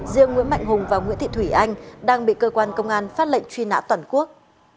riêng nguyễn mạnh hùng và nguyễn thị thủy anh đang bị cơ quan công an phát lệnh truy nã toàn quốc